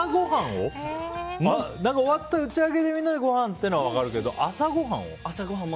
終わって打ち上げてみんなでごはんってのは分かるけど朝ごはんを？